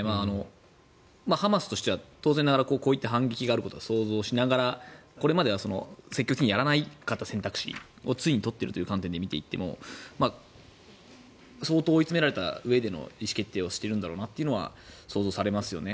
ハマスとしては当然ながらこういった反撃があることは想像しながら、これまでは積極的にやらなかった選択肢をついに取っているという観点で見ても相当追い詰められたうえでの意思決定をしているんだなというのは想像されますよね。